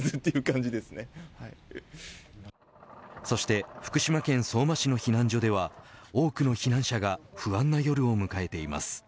そして福島県相馬市の避難所では多くの避難者が不安な夜を迎えています。